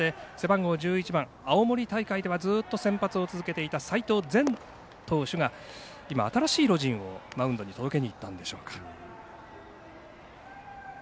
そして背番号１８番青森大会ではずっと先発を続けていた齋藤禅投手が今、新しいロジンをマウンドに届けにいったんでしょうか。